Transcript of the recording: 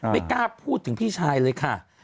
ไม่กล้าพูดถึงพี่ชายเลยค่ะ